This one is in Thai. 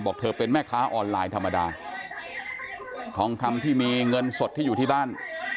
เธอเป็นแม่ค้าออนไลน์ธรรมดาทองคำที่มีเงินสดที่อยู่ที่บ้าน